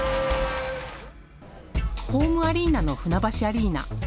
ホームアリーナの船橋アリーナ。